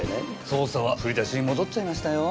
捜査は振り出しに戻っちゃいましたよ。